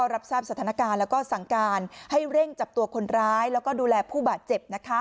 รับทราบสถานการณ์แล้วก็สั่งการให้เร่งจับตัวคนร้ายแล้วก็ดูแลผู้บาดเจ็บ